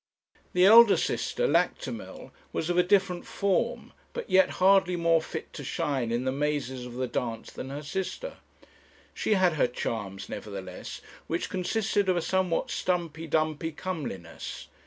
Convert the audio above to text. The elder sister, Lactimel, was of a different form, but yet hardly more fit to shine in the mazes of the dance than her sister. She had her charms, nevertheless, which consisted of a somewhat stumpy dumpy comeliness.